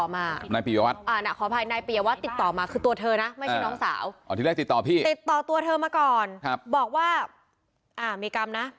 มามาแล้วพี่วาดอาหารขอจะเปลี่ย